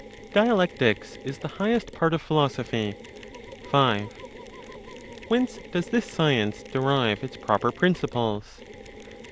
DIALECTICS IS THE HIGHEST PART OF PHILOSOPHY. 5. Whence does this science derive its proper principles?